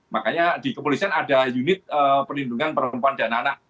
makanya di kepolisian ada unit perlindungan perempuan dan anak